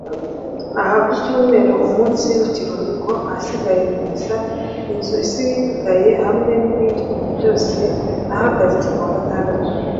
ah, ku cyumweru umunsi w'ikiruhuko ahasigaye kumesa, inzu isigaye hamwe nibindi bintu byose nahagaritse kuwa gatandatu